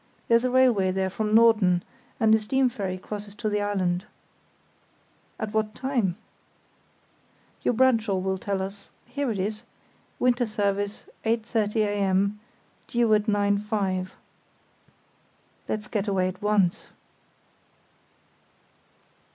There's a railway there from Norden, and a steam ferry crosses to the island." "At what time?" "Your Bradshaw will tell us—here it is: 'Winter Service, 8.30 a.m., due at 9.5.'" "Let's get away at once."